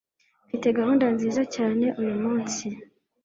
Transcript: Mfite gahunda nziza cyane uyumunsi.